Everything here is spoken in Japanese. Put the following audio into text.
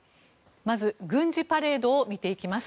まず軍事パレードを見ていきます。